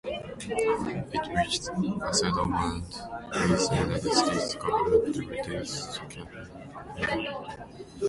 It reached a settlement with the United States government to reduce the caffeine amount.